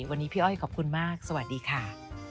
วันนี้พี่อ้อยขอบคุณมากสวัสดีค่ะ